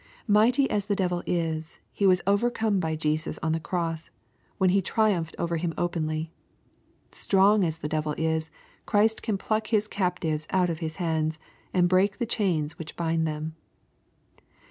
Mighty as the devil is, he was overcome by Jesus on the cross, when He triumphed over him openly. Strong as the devil is, Christ can pluck his captives out of his hands, and break the chains which bind them.